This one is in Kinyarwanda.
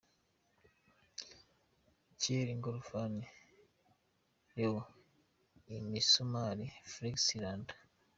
Cere Ingorofani Lewo Imisumari Felexi iranda.